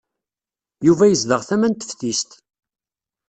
Yuba yezdeɣ tama n teftist.